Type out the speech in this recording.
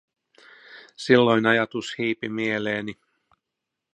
Silloin ajatus hiipi mieleeni: